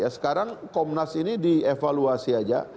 sekarang komnas ini dievaluasi aja